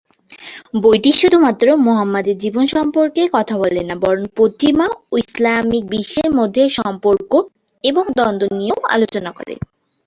বইটি শুধুমাত্র মুহাম্মাদের জীবন সম্পর্কে কথা বলে না বরং পশ্চিমা ও ইসলামিক বিশ্বের মধ্যে সম্পর্ক এবং দ্বন্দ্ব নিয়েও আলোচনা করে।